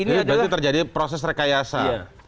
ini berarti terjadi proses rekayasa